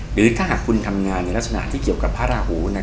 หรือถ้าหากคุณทำงานในลักษณะที่เกี่ยวกับพระราหู